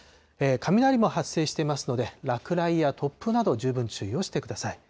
雷も発生していますので、落雷や突風など、十分注意をしてください。